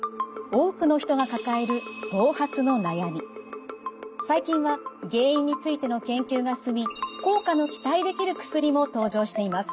多くの人が抱える最近は原因についての研究が進み効果の期待できる薬も登場しています。